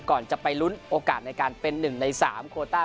ก่อนจะไปลุ้นโอกาสในการเป็น๑ใน๓โคต้า